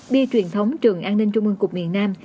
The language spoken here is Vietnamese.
bia truyền thống trường an ninh trung mương cục miền nam